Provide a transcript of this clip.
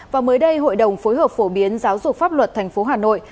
và mới đây hội đồng phối hợp phổ biến giáo dục pháp luật tp hà nội